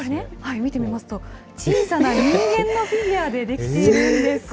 見てみますと、小さな人間のフィギュアで出来ているんです。